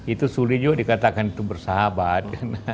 itu sulit juga dikatakan itu bersahabat